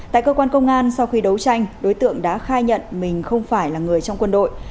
tại cơ quan công an sau khi đấu tranh đối tượng đã khai nhận mình không phải là người trong quân đội